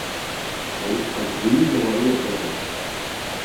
Ul litrad gwin 'oa aet ganto.